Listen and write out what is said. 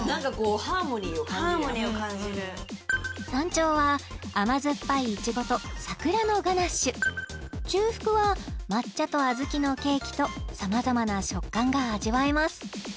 山頂は甘酸っぱいイチゴと桜のガナッシュ中腹は抹茶と小豆のケーキとさまざまな食感が味わえます